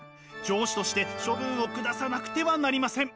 上司として処分を下さなくてはなりません。